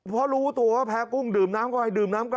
เพราะรู้ตัวแพ้กุ้งดื่มน้ำก่อน